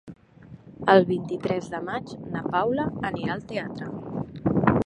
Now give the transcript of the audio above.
El vint-i-tres de maig na Paula anirà al teatre.